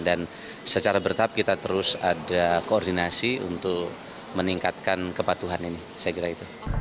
dan secara bertahap kita terus ada koordinasi untuk meningkatkan kepatuhan ini